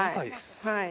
はい。